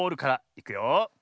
いくよ。